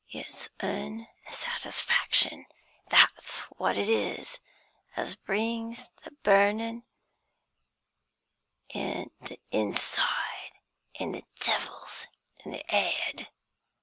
It's unsatisfaction, that's what it is, as brings the burnin' i' th' inside, an' the devils in the 'cad.